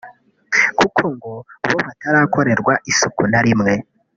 kuko ngo bo batarakorerwa isuku na rimwe